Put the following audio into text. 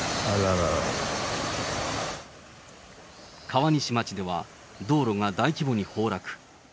川西町では道路が大規模に崩落。